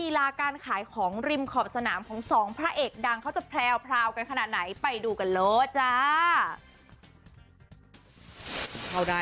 ลาการขายของริมขอบสนามของสองพระเอกดังเขาจะแพรวกันขนาดไหนไปดูกันเลยจ้า